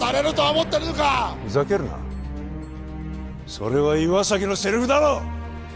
それは岩崎のセリフだろ！